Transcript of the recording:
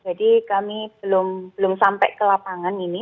jadi kami belum sampai ke lapangan ini